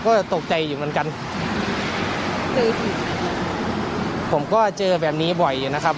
ก็ตกใจอยู่เหมือนกันเจอสิผมก็เจอแบบนี้บ่อยอยู่นะครับ